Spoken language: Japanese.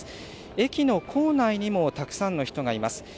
駅の構内にもたくさんの人がいます。